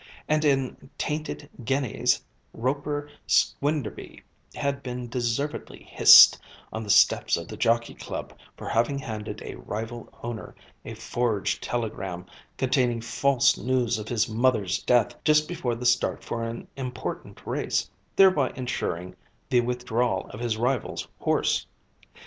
And in Tainted Guineas Roper Squenderby had been deservedly hissed, on the steps of the Jockey Club, for having handed a rival owner a forged telegram, containing false news of his mother's death, just before the start for an important race, thereby ensuring the withdrawal of his rival's horse.